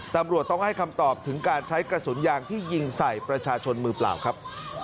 ตำรวจต้องให้คำตอบถึงการใช้กระสุนยางที่ยิงใส่ประชาชนมือเปล่าครับ